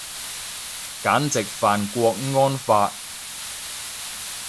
簡直犯郭安發